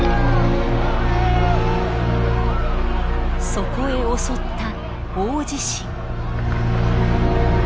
そこへ襲った大地震。